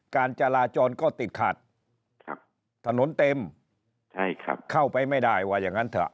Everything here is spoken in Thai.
การจราจรก็ติดขาดถนนเต็มเข้าไปไม่ได้ว่าอย่างนั้นเถอะ